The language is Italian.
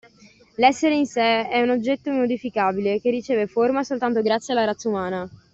L'essere in se è un oggetto immodificabile che riceve forma soltanto grazie alla razza umana.